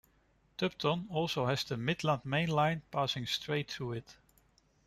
Tupton also has the Midland Main Line passing straight through it.